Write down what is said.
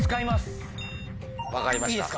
分かりました。